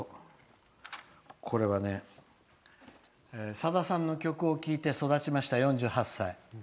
さださんの曲を聴いて育ちました４８歳。